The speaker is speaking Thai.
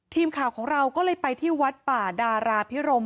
ทีมข่าวของเราก็เลยไปที่วัดป่าดาราพิรม